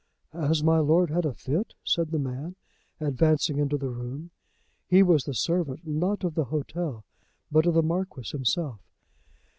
"Has my lord had a fit?" said the man, advancing into the room. He was the servant, not of the hotel, but of the Marquis himself.